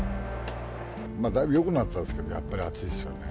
だいぶよくなったんですけど、やっぱり暑いっすよね。